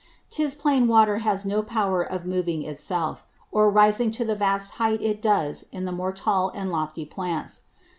'Tis plain Water has no power of moving it self; or rising to the vast height it does in the more tall and lofty Plants.